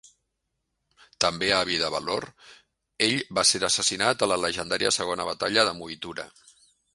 També avi de Balor, ell va ser assassinat a la llegendària segona batalla de Moytura.